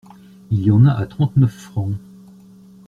Il y en a à trente-neuf francs.